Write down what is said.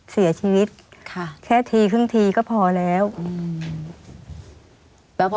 ไม่มีครับไม่มีครับ